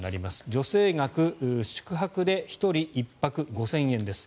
助成額、宿泊で１人１泊５０００円です。